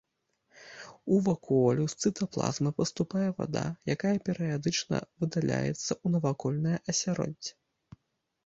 У вакуолю з цытаплазмы паступае вада, якая перыядычна выдаляецца ў навакольнае асяроддзе.